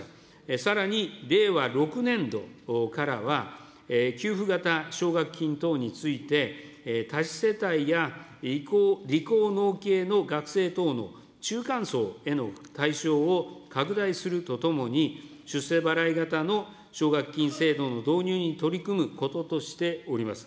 さらに令和６年度からは、給付型奨学金等について、多子世帯や理工農系の学生等の中間層への対象を拡大するとともに、出世払い型の奨学金制度の導入に取り組むこととしております。